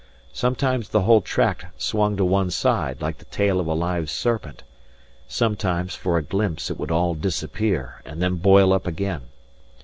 Sometimes the whole tract swung to one side, like the tail of a live serpent; sometimes, for a glimpse, it would all disappear and then boil up again.